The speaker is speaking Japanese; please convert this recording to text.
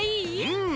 うん！